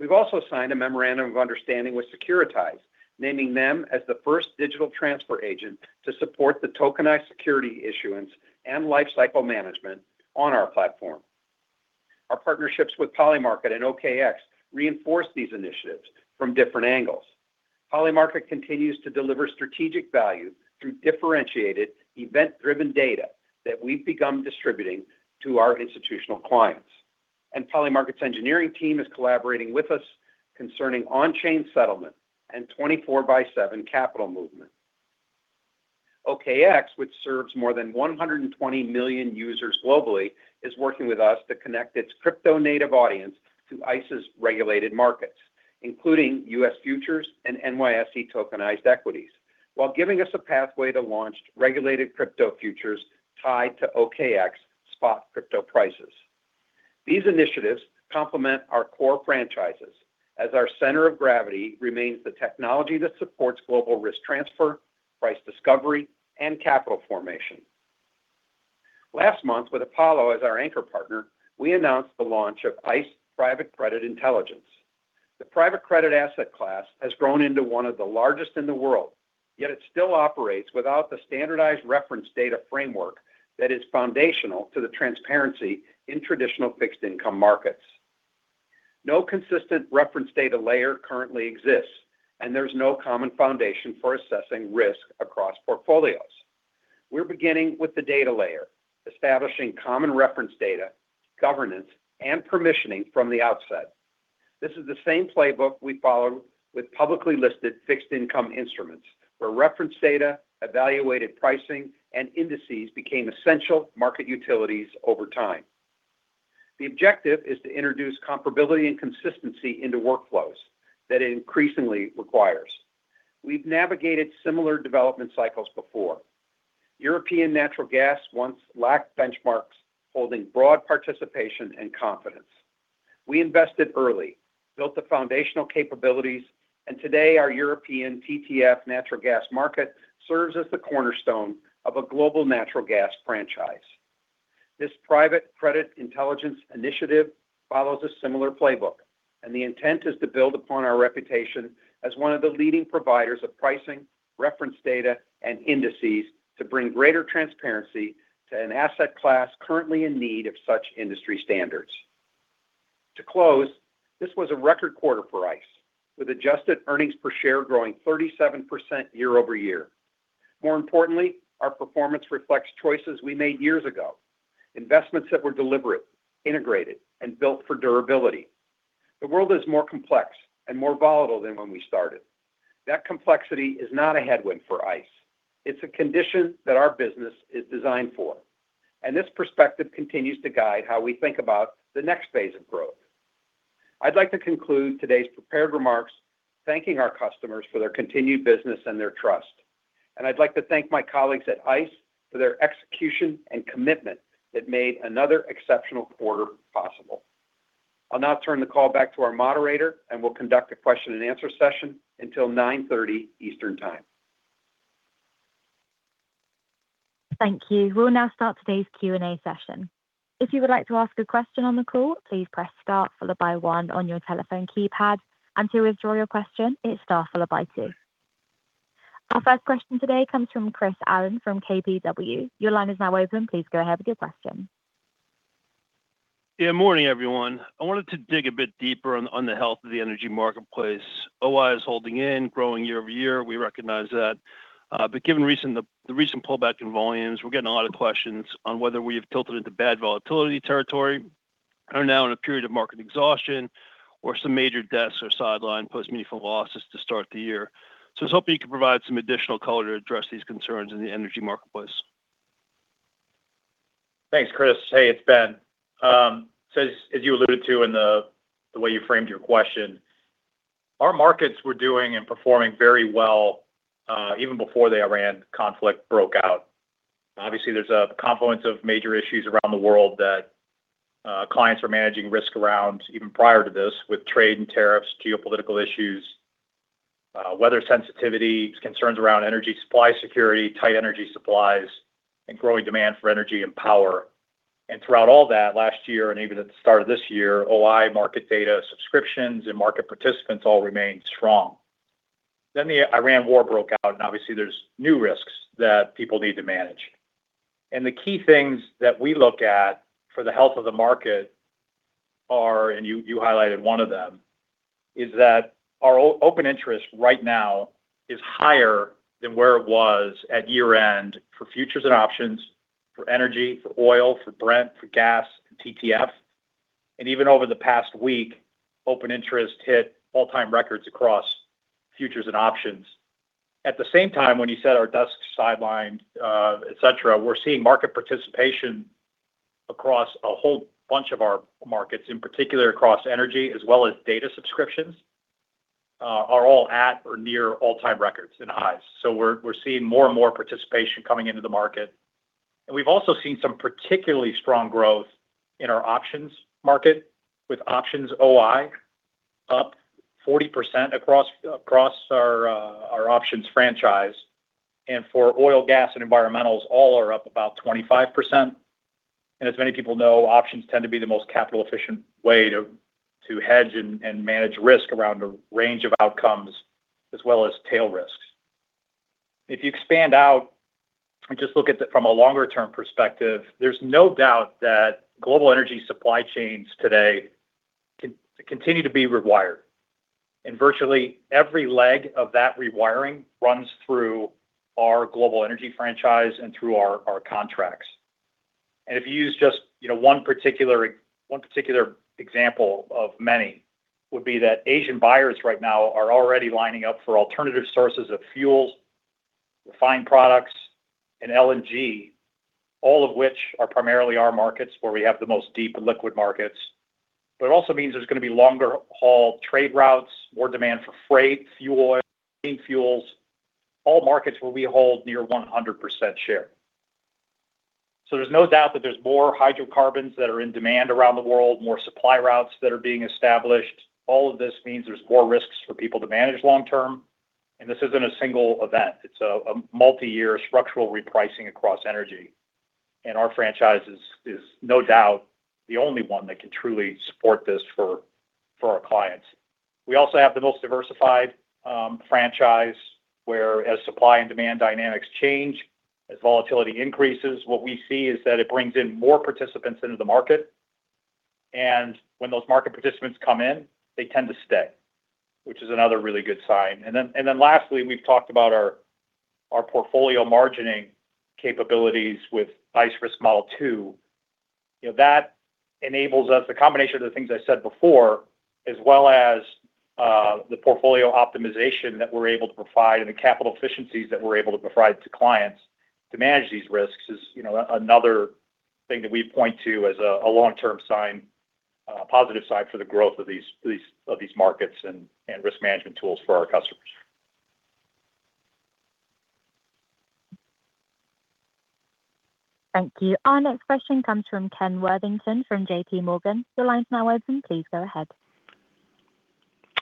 We've also signed a memorandum of understanding with Securitize, naming them as the first digital transfer agent to support the tokenized security issuance and lifecycle management on our platform. Our partnerships with Polymarket and OKX reinforce these initiatives from different angles. Polymarket continues to deliver strategic value through differentiated event-driven data that we've begun distributing to our institutional clients. Polymarket's engineering team is collaborating with us concerning on-chain settlement and 24 by 7 capital movement. OKX, which serves more than 120 million users globally, is working with us to connect its crypto native audience to ICE's regulated markets, including U.S. futures and NYSE tokenized equities, while giving us a pathway to launch regulated crypto futures tied to OKX spot crypto prices. These initiatives complement our core franchises as our center of gravity remains the technology that supports global risk transfer, price discovery, and capital formation. Last month, with Apollo as our anchor partner, we announced the launch of ICE Private Credit Intelligence. The private credit asset class has grown into one of the largest in the world, yet it still operates without the standardized reference data framework that is foundational to the transparency in traditional fixed income markets. No consistent reference data layer currently exists, and there's no common foundation for assessing risk across portfolios. We're beginning with the data layer, establishing common reference data, governance, and permissioning from the outset. This is the same playbook we followed with publicly listed fixed income instruments where reference data, evaluated pricing, and indices became essential market utilities over time. The objective is to introduce comparability and consistency into workflows that it increasingly requires. We've navigated similar development cycles before. European natural gas once lacked benchmarks holding broad participation and confidence. We invested early, built the foundational capabilities, and today our European TTF natural gas market serves as the cornerstone of a global natural gas franchise. This Private Credit Intelligence initiative follows a similar playbook, and the intent is to build upon our reputation as one of the leading providers of pricing, reference data, and indices to bring greater transparency to an asset class currently in need of such industry standards. To close, this was a record quarter for ICE, with adjusted earnings per share growing 37% year-over-year. More importantly, our performance reflects choices we made years ago, investments that were deliberate, integrated, and built for durability. The world is more complex and more volatile than when we started. That complexity is not a headwind for ICE. It's a condition that our business is designed for, and this perspective continues to guide how we think about the next phase of growth. I'd like to conclude today's prepared remarks thanking our customers for their continued business and their trust. I'd like to thank my colleagues at ICE for their execution and commitment that made another exceptional quarter possible. I'll now turn the call back to our moderator, and we'll conduct a question and answer session until 9:30 A.M. Eastern Time. Thank you. We'll now start today's Q&A session. If you would like to ask a question on the call, please press star followed by one on your telephone keypad. To withdraw your question, it's star followed by two. Our first question today comes from Chris Allen from KBW. Your line is now open. Please go ahead with your question. Yeah, morning, everyone. I wanted to dig a bit deeper on the health of the energy marketplace. OI is holding in, growing year-over-year. We recognize that. Given the recent pullback in volumes, we're getting a lot of questions on whether we have tilted into bad volatility territory, are now in a period of market exhaustion, or some major desks are sidelined post meaningful losses to start the year. I was hoping you could provide some additional color to address these concerns in the energy marketplace. Thanks, Chris. Hey, it's Ben. As, as you alluded to in the way you framed your question, our markets were doing and performing very well, even before the Iran conflict broke out. Obviously, there's a confluence of major issues around the world that clients are managing risk around even prior to this with trade and tariffs, geopolitical issues, weather sensitivity, concerns around energy supply security, tight energy supplies, and growing demand for energy and power. Throughout all that, last year and even at the start of this year, OI market data subscriptions and market participants all remained strong. The Iran war broke out, and obviously there's new risks that people need to manage. The key things that we look at for the health of the market are, and you highlighted one of them, is that our open interest right now is higher than where it was at year-end for futures and options, for energy, for oil, for Brent, for gas, and TTF. Even over the past week, open interest hit all-time records across futures and options. At the same time, when you said our desk sidelined, et cetera, we're seeing market participation across a whole bunch of our markets, in particular across energy as well as data subscriptions, are all at or near all-time records and highs. We're seeing more and more participation coming into the market. We've also seen some particularly strong growth in our options market, with options OI up 40% across our options franchise. For oil, gas and environmentals, all are up about 25%. As many people know, options tend to be the most capital efficient way to hedge and manage risk around a range of outcomes, as well as tail risks. If you expand out and just look at it from a longer-term perspective, there's no doubt that global energy supply chains today continue to be rewired. Virtually every leg of that rewiring runs through our global energy franchise and through our contracts. If you use just, you know, one particular example of many would be that Asian buyers right now are already lining up for alternative sources of fuels, refined products and LNG, all of which are primarily our markets where we have the most deep and liquid markets. It also means there's gonna be longer-haul trade routes, more demand for freight, fuel oil, green fuels, all markets where we hold near 100% share. There's no doubt that there's more hydrocarbons that are in demand around the world, more supply routes that are being established. All of this means there's more risks for people to manage long term, and this isn't a single event. It's a multi-year structural repricing across energy, and our franchise is no doubt the only one that can truly support this for our clients. We also have the most diversified franchise, where as supply and demand dynamics change, as volatility increases, what we see is that it brings in more participants into the market. When those market participants come in, they tend to stay, which is another really good sign. Lastly, we've talked about our portfolio margining capabilities with ICE Risk Model 2. You know, that enables us, the combination of the things I said before, as well as the portfolio optimization that we're able to provide and the capital efficiencies that we're able to provide to clients to manage these risks is, you know, another thing that we point to as a long-term sign, a positive sign for the growth of these markets and risk management tools for our customers. Thank you. Our next question comes from Ken Worthington from JPMorgan. Your line's now open. Please go ahead.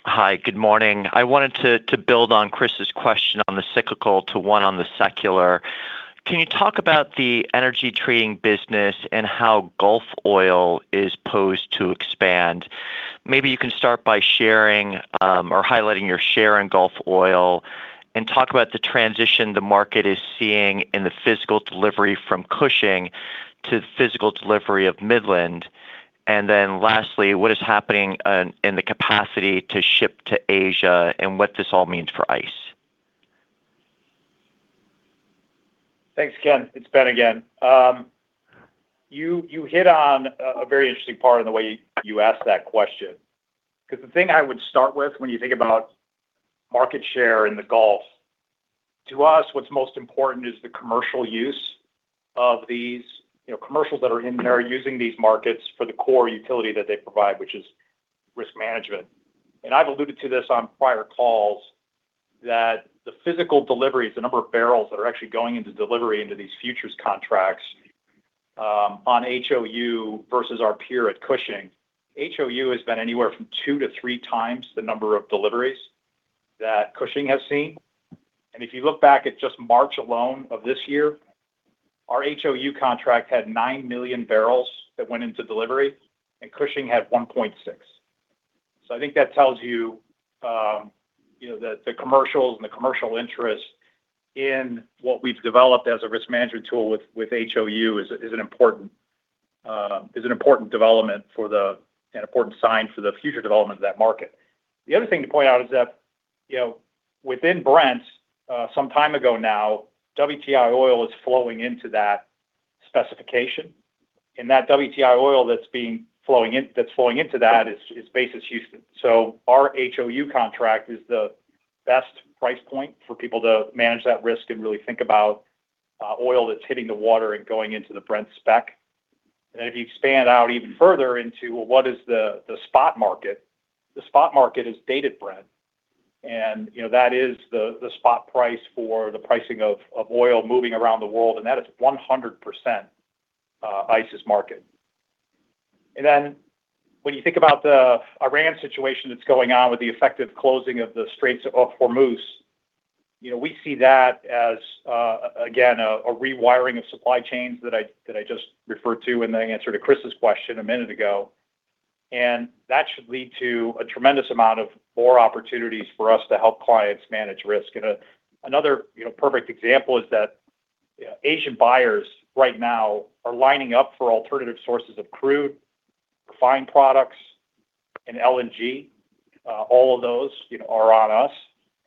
Hi. Good morning. I wanted to build on Chris's question on the cyclical to one on the secular. Can you talk about the energy trading business and how Gulf oil is poised to expand? Maybe you can start by sharing or highlighting your share in Gulf oil and talk about the transition the market is seeing in the physical delivery from Cushing to physical delivery of Midland. Lastly, what is happening in the capacity to ship to Asia and what this all means for ICE. Thanks, Ken. It's Ben again. You hit on a very interesting part in the way you asked that question, because the thing I would start with when you think about market share in the Gulf, to us, what's most important is the commercial use of these, you know, commercials that are in there using these markets for the core utility that they provide, which is risk management. I've alluded to this on prior calls that the physical deliveries, the number of barrels that are actually going into delivery into these futures contracts, on HOU versus our peer at Cushing, HOU has been anywhere from 2x-3xthe number of deliveries that Cushing has seen. If you look back at just March alone of this year, our HOU contract had 9 million barrels that went into delivery, and Cushing had 1.6 million. I think that tells you know, that the commercials and the commercial interest in what we've developed as a risk management tool with HOU is an important development for an important sign for the future development of that market. The other thing to point out is that, you know, within Brent, some time ago now, WTI oil is flowing into that specification, and that WTI oil that's flowing in, that's flowing into that is basis Houston. Our HOU contract is the best price point for people to manage that risk and really think about oil that's hitting the water and going into the Brent spec. If you expand out even further into, well, what is the spot market, the spot market is Dated Brent. You know, that is the spot price for the pricing of oil moving around the world, and that is 100%, ICE's market. When you think about the Iran situation that's going on with the effective closing of the Straits of Hormuz, you know, we see that as, again, a rewiring of supply chains that I just referred to in the answer to Chris's question a minute ago. That should lead to a tremendous amount of more opportunities for us to help clients manage risk. Another, you know, perfect example is that, you know, Asian buyers right now are lining up for alternative sources of crude, refined products. LNG, all of those, you know, are on us.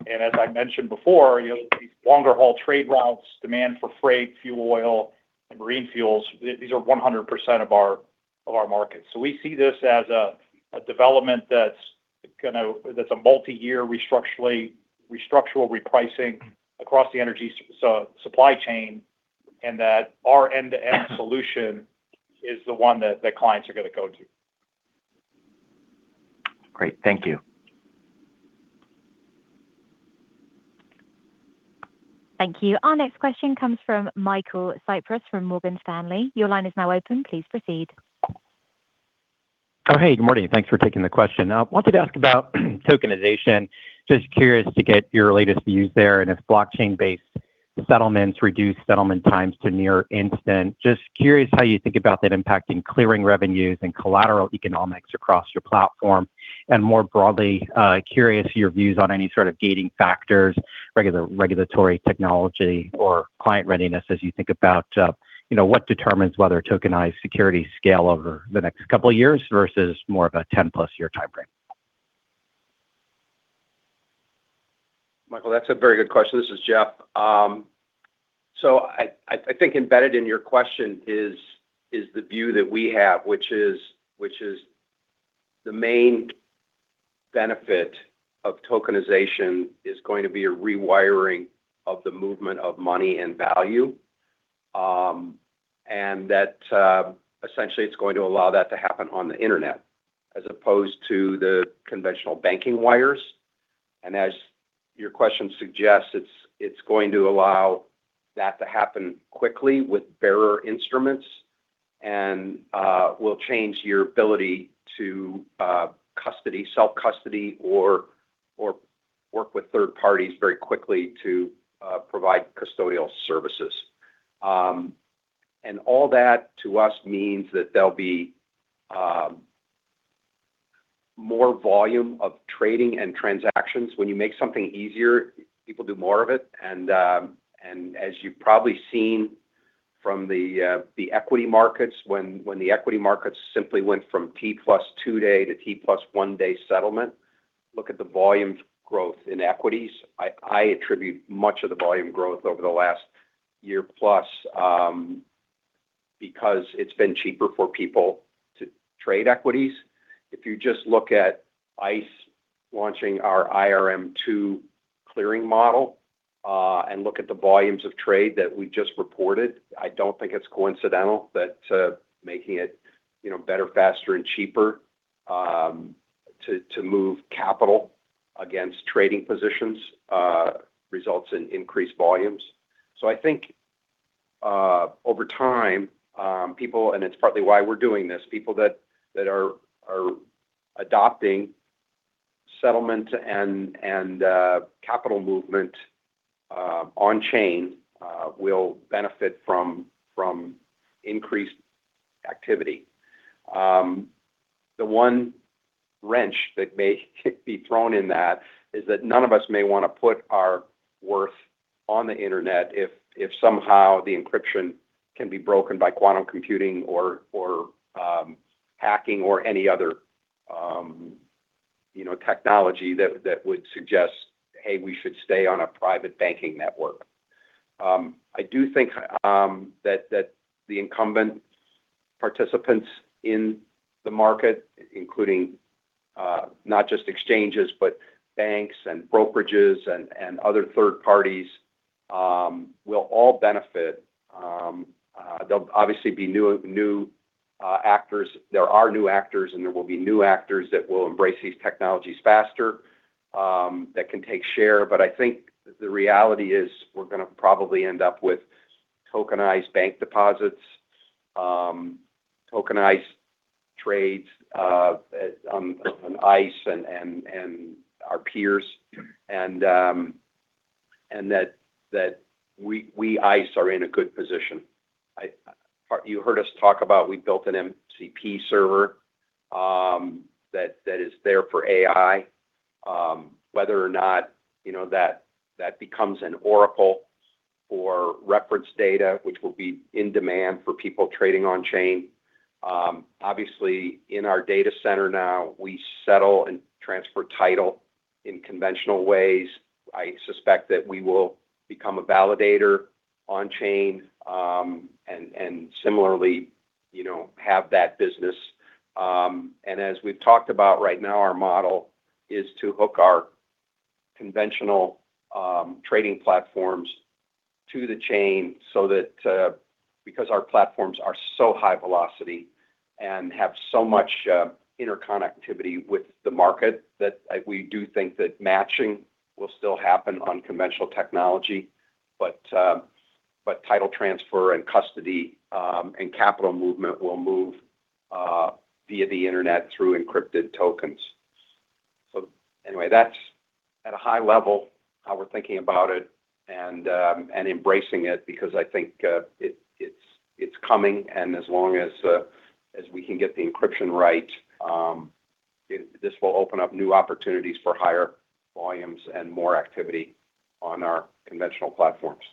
As I mentioned before, you know, these longer-haul trade routes, demand for freight, fuel oil and green fuels, these are 100% of our market. We see this as a development that's a multi-year structural repricing across the energy supply chain, and that our end-to-end solution is the one that clients are gonna go to. Great. Thank you. Thank you. Our next question comes from Michael Cyprys from Morgan Stanley. Your line is now open. Please proceed. Oh, hey, good morning. Thanks for taking the question. I wanted to ask about tokenization. Just curious to get your latest views there and if blockchain-based settlements reduce settlement times to near instant. Just curious how you think about that impacting clearing revenues and collateral economics across your platform. More broadly, curious your views on any sort of gating factors, regulatory technology or client readiness as you think about, you know, what determines whether tokenized securities scale over the next couple of years versus more of a 10+ year timeframe. Michael, that's a very good question. This is Jeff. I think embedded in your question is the view that we have, which is the main benefit of tokenization is going to be a rewiring of the movement of money and value. That essentially it's going to allow that to happen on the internet as opposed to the conventional banking wires. As your question suggests, it's going to allow that to happen quickly with bearer instruments and will change your ability to custody, self-custody or work with third parties very quickly to provide custodial services. All that, to us, means that there'll be more volume of trading and transactions. When you make something easier, people do more of it. As you've probably seen from the equity markets, when the equity markets simply went from T+2 day to T+1 day settlement, look at the volume growth in equities. I attribute much of the volume growth over the last year plus, because it's been cheaper for people to trade equities. If you just look at ICE launching our IRM 2 clearing model, and look at the volumes of trade that we just reported, I don't think it's coincidental that making it, you know, better, faster and cheaper, to move capital against trading positions, results in increased volumes. I think over time, and it's partly why we're doing this, people that are adopting settlement and capital movement on chain will benefit from increased activity. The one wrench that may be thrown in that is that none of us may wanna put our worth on the internet if somehow the encryption can be broken by quantum computing or hacking or any other, you know, technology that would suggest, "Hey, we should stay on a private banking network." I do think that the incumbent participants in the market, including not just exchanges, but banks and brokerages and other third parties, will all benefit. There'll obviously be new actors. There are new actors, and there will be new actors that will embrace these technologies faster, that can take share. I think the reality is we're gonna probably end up with tokenized bank deposits, tokenized trades on ICE and our peers, and that we ICE are in a good position. You heard us talk about we built an MCP server that is there for AI, whether or not, you know, that becomes an Oracle or reference data, which will be in demand for people trading on chain. Obviously in our data center now, we settle and transfer title in conventional ways. I suspect that we will become a validator on chain, and similarly, you know, have that business. As we've talked about right now, our model is to hook our conventional trading platforms to the chain so that because our platforms are so high velocity and have so much interconnectivity with the market, that we do think that matching will still happen on conventional technology. Title transfer and custody and capital movement will move via the internet through encrypted tokens. Anyway, that's at a high level how we're thinking about it and embracing it because I think it's coming and as long as we can get the encryption right, this will open up new opportunities for higher volumes and more activity on our conventional platforms.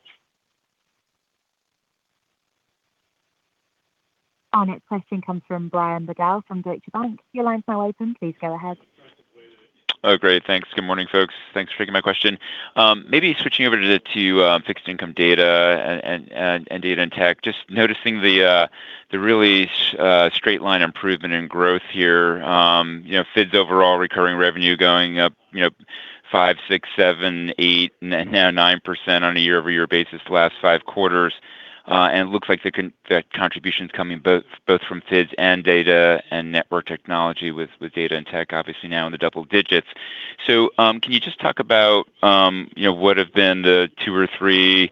Our next question comes from Brian Bedell from Deutsche Bank. Great. Thanks. Good morning, folks. Thanks for taking my question. Maybe switching over to the fixed income data and data and tech. Just noticing the really straight line improvement in growth here. You know, FIDS' overall recurring revenue going up, you know, 5%, 6%, 7%, 8%, now 9% on a year-over-year basis the last five quarters. It looks like the contribution's coming both from FIDS and data and network technology with data and tech obviously now in the double digits. Can you just talk about, you know, what have been the two or three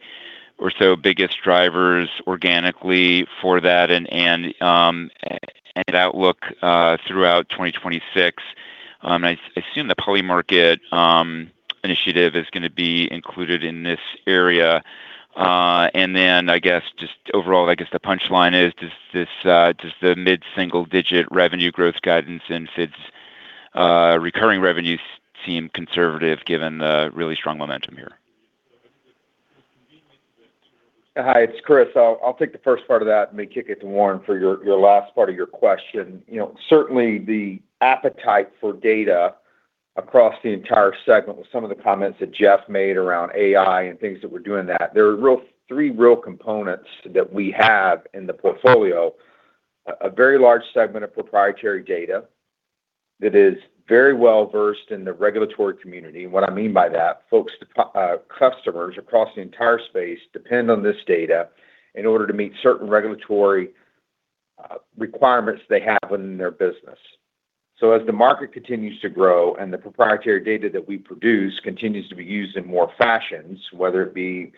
or so biggest drivers organically for that and outlook throughout 2026? I assume the Polymarket initiative is gonna be included in this area. I guess just overall, I guess the punchline is does this, does the mid-single digit revenue growth guidance in FIDS recurring revenues seem conservative given the really strong momentum here? Hi, it's Chris. I'll take the first part of that and maybe kick it to Warren for your last part of your question. You know, certainly the appetite for data across the entire segment with some of the comments that Jeff made around AI and things that we're doing. There are three real components that we have in the portfolio. A very large segment of proprietary data that is very well-versed in the regulatory community. What I mean by that, folks, customers across the entire space depend on this data in order to meet certain regulatory requirements they have within their business. As the market continues to grow and the proprietary data that we produce continues to be used in more fashions, whether it be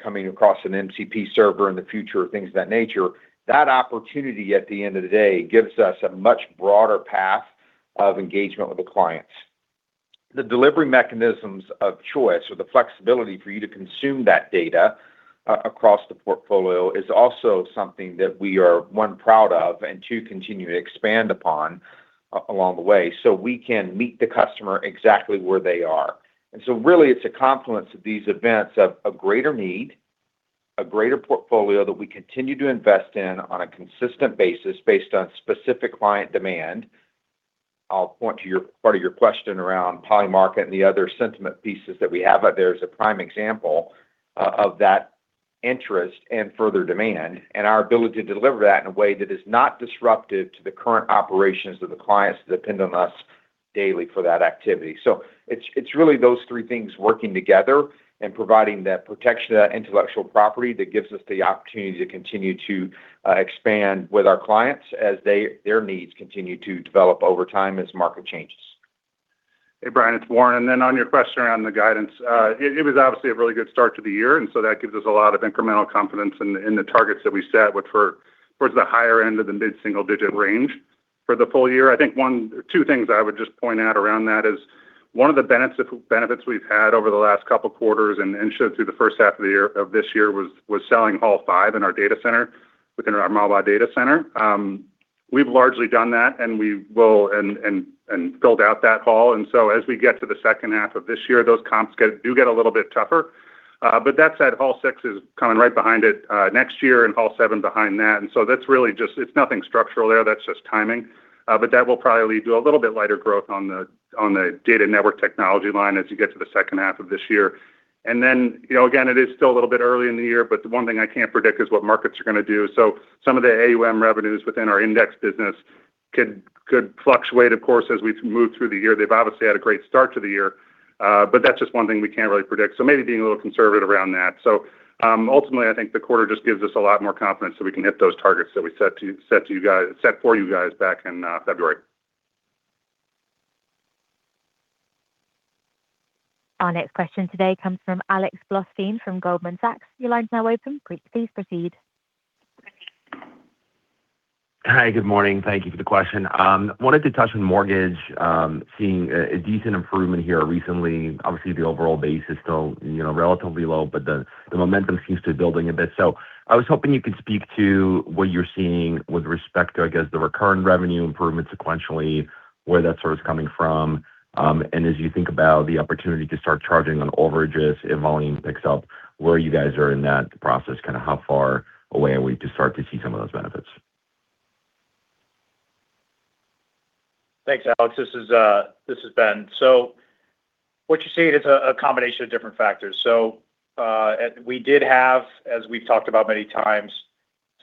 coming across an MCP server in the future or things of that nature, that opportunity at the end of the day gives us a much broader path of engagement with the clients. The delivery mechanisms of choice or the flexibility for you to consume that data across the portfolio is also something that we are, one, proud of, and two, continue to expand upon along the way so we can meet the customer exactly where they are. Really, it's a confluence of these events of a greater need, a greater portfolio that we continue to invest in on a consistent basis based on specific client demand. I'll point to your part of your question around Polymarket and the other sentiment pieces that we have out there as a prime example of that interest and further demand, and our ability to deliver that in a way that is not disruptive to the current operations of the clients that depend on us daily for that activity. It's really those three things working together and providing that protection, that intellectual property that gives us the opportunity to continue to expand with our clients as their needs continue to develop over time as the market changes. Hey, Brian, it's Warren. On your question around the guidance, it was obviously a really good start to the year, that gives us a lot of incremental confidence in the targets that we set, which were towards the higher end of the mid-single digit range for the full year. I think two things I would just point out around that is one of the benefits we've had over the last couple quarters and into the first half of this year was selling Hall 5 in our data center within our Mahwah data center. We've largely done that, we will build out that hall. As we get to the second half of this year, those comps do get a little bit tougher. That said, Hall 6 is coming right behind it next year and Hall 7 behind that. It's nothing structural there, that's just timing. That will probably lead to a little bit lighter growth on the data network technology line as you get to the second half of this year. You know, again, it is still a little bit early in the year, but the one thing I can't predict is what markets are gonna do. Some of the AUM revenues within our index business could fluctuate, of course, as we move through the year. They've obviously had a great start to the year, that's just one thing we can't really predict. Maybe being a little conservative around that. Ultimately, I think the quarter just gives us a lot more confidence that we can hit those targets that we set for you guys back in February. Our next question today comes from Alex Blostein from Goldman Sachs. Your line's now open. Please proceed. Hi, good morning. Thank you for the question. wanted to touch on mortgage, seeing a decent improvement here recently. Obviously, the overall base is still, you know, relatively low, but the momentum seems to be building a bit. I was hoping you could speak to what you're seeing with respect to, I guess, the recurring revenue improvement sequentially, where that sort of is coming from. As you think about the opportunity to start charging on overages if volume picks up, where you guys are in that process? Kinda how far away are we to start to see some of those benefits? Thanks, Alex. This is Ben. What you're seeing is a combination of different factors. We did have, as we've talked about many times,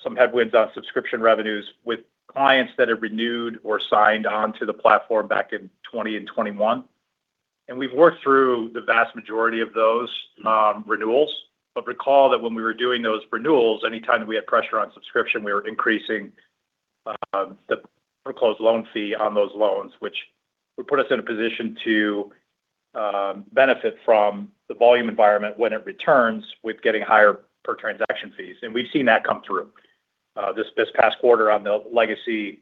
some headwinds on subscription revenues with clients that have renewed or signed onto the platform back in 2020 and 2021. We've worked through the vast majority of those renewals. Recall that when we were doing those renewals, anytime that we had pressure on subscription, we were increasing the pre-closed loan fee on those loans, which would put us in a position to benefit from the volume environment when it returns with getting higher per-transaction fees. We've seen that come through this past quarter on the legacy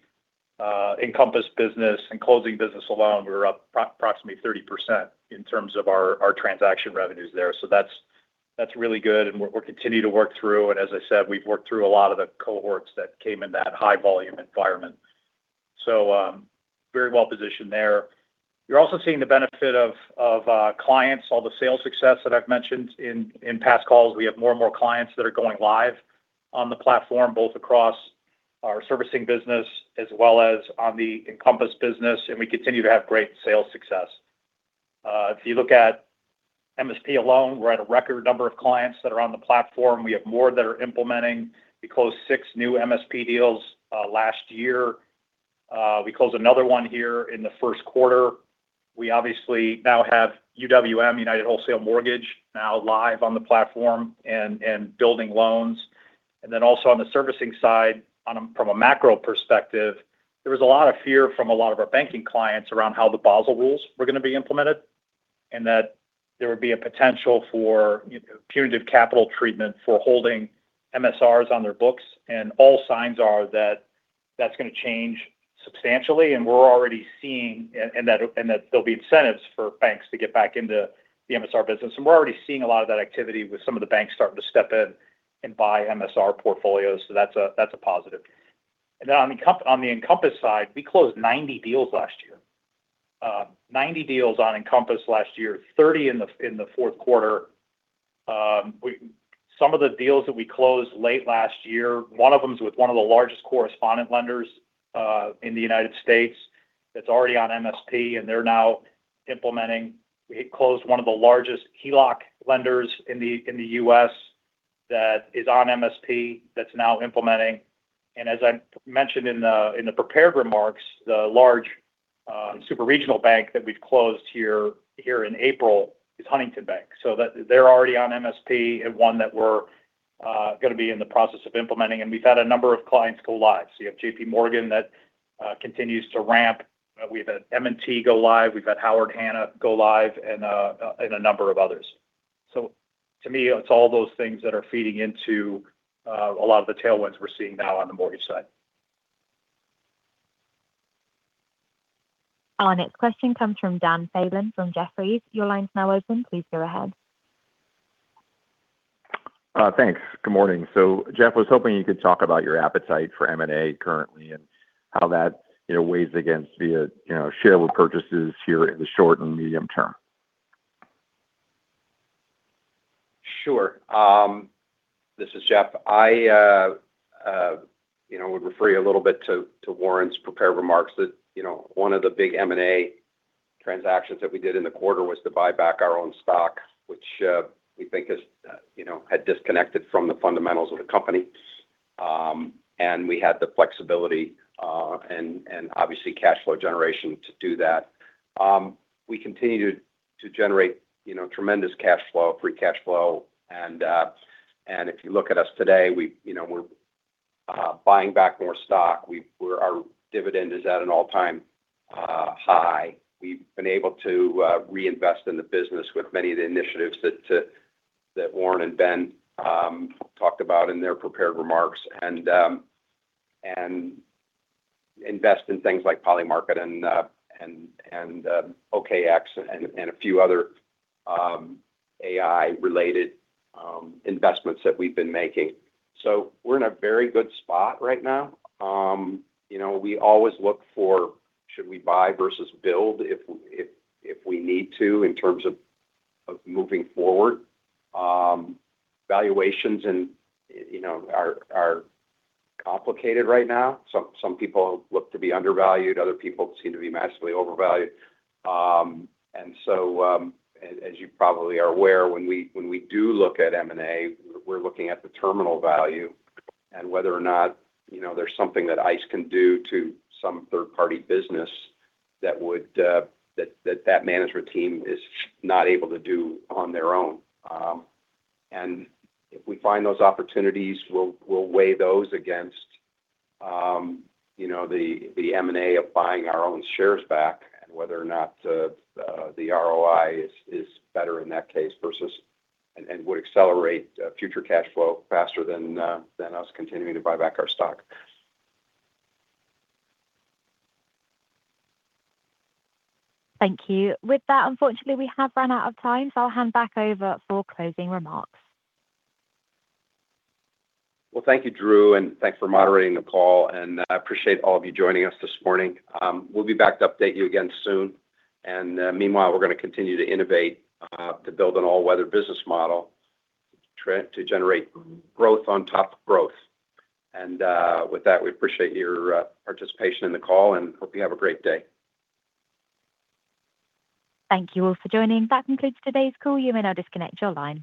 Encompass business and closing business alone, we were up approximately 30% in terms of our transaction revenues there. That's, that's really good, and we're, we'll continue to work through. As I said, we've worked through a lot of the cohorts that came in that high-volume environment Very well positioned there. You're also seeing the benefit of clients, all the sales success that I've mentioned in past calls. We have more and more clients that are going live on the platform, both across our servicing business as well as on the Encompass business, and we continue to have great sales success. If you look at MSP alone, we're at a record number of clients that are on the platform. We have more that are implementing. We closed six new MSP deals last year. We closed another one here in the first quarter. We obviously now have UWM, United Wholesale Mortgage, now live on the platform and building loans. Also on the servicing side, from a macro perspective, there was a lot of fear from a lot of our banking clients around how the Basel rules were gonna be implemented, and that there would be a potential for, you know, punitive capital treatment for holding MSRs on their books. All signs are that that's gonna change substantially, and we're already seeing and that there'll be incentives for banks to get back into the MSR business. We're already seeing a lot of that activity with some of the banks starting to step in and buy MSR portfolios, so that's a positive. On the Encompass side, we closed 90 deals last year. 90 deals on Encompass last year, 30 in the fourth quarter. Some of the deals that we closed late last year, one of them is with one of the largest correspondent lenders in the U.S. that's already on MSP, and they're now implementing. We closed one of the largest HELOC lenders in the U.S. that is on MSP, that's now implementing. As I mentioned in the prepared remarks, the large super regional bank that we've closed here in April is Huntington Bank. They're already on MSP, and one that we're going to be in the process of implementing. We've had a number of clients go live. You have JPMorgan that continues to ramp. We've had M&T go live. We've had Howard Hanna go live and a number of others. To me, it's all those things that are feeding into a lot of the tailwinds we're seeing now on the mortgage side. Our next question comes from Daniel Fannon from Jefferies. Your line's now open. Please go ahead. Thanks. Good morning. Jeff was hoping you could talk about your appetite for M&A currently and how that, you know, weighs against the, you know, share repurchases here in the short and medium term. Sure. This is Jeff. I, you know, would refer you a little bit to Warren's prepared remarks that, you know, one of the big M&A transactions that we did in the quarter was to buy back our own stock, which, we think is, you know, had disconnected from the fundamentals of the company. We had the flexibility, and obviously cash flow generation to do that. We continue to generate, you know, tremendous cash flow, free cash flow. If you look at us today, we, you know, we're buying back more stock. Our dividend is at an all-time high. We've been able to reinvest in the business with many of the initiatives that Warren and Ben talked about in their prepared remarks and invest in things like Polymarket and OKX and a few other AI-related investments that we've been making. We're in a very good spot right now. You know, we always look for should we buy versus build if we need to in terms of moving forward. Valuations and, you know, are complicated right now. Some people look to be undervalued, other people seem to be massively overvalued. As you probably are aware, when we do look at M&A, we're looking at the terminal value and whether or not, you know, there's something that ICE can do to some third-party business that would, that management team is not able to do on their own. If we find those opportunities, we'll weigh those against, you know, the M&A of buying our own shares back and whether or not the ROI is better in that case versus and would accelerate future cash flow faster than us continuing to buy back our stock. Thank you. With that, unfortunately, we have run out of time, so I'll hand back over for closing remarks. Well, thank you, Drew, and thanks for moderating the call, I appreciate all of you joining us this morning. We'll be back to update you again soon. Meanwhile, we're gonna continue to innovate to build an all-weather business model to generate growth on top of growth. With that, we appreciate your participation in the call and hope you have a great day. Thank you all for joining. That concludes today's call. You may now disconnect your line.